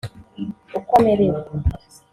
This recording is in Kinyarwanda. uko amerewe